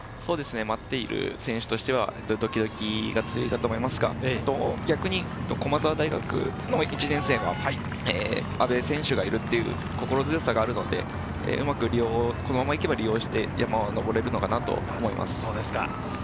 待っている選手としてはドキドキが強いと思いますが、駒澤大学の１年生は阿部選手がいる心強さがあるので、このまま行けば、うまく利用して山を上れるのかなと思います。